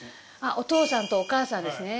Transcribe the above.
お父さんとお母さんですね。